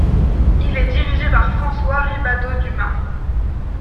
Il est dirigé par François Ribadeau Dumas.